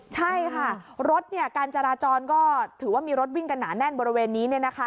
ใช่ค่ะรถการจราจรก็ถือว่ามีรถวิ่งกันหนาแน่นบริเวณนี้